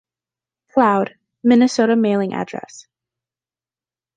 Cloud, Minnesota mailing address.